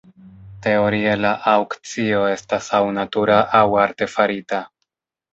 Teorie la aŭkcio estas aŭ natura aŭ artefarita.